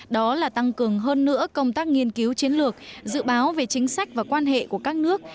đó là tăng cường hơn nữa công tác nghiên cứu chiến lược dự báo về chính sách và quan hệ của các nước